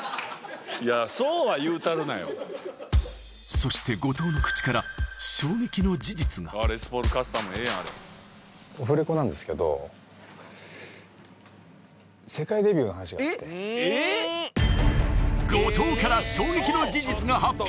そして後藤の口から後藤から衝撃の事実が発表！